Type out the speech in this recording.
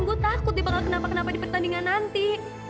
gue takut nih bakal kenapa kenapa di pertandingan nanti